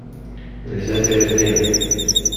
Нельзя терять время.